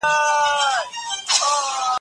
واصل که سل واره له یاره تللی